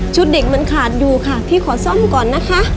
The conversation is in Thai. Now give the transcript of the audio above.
เด็กมันขาดอยู่ค่ะพี่ขอซ่อมก่อนนะคะ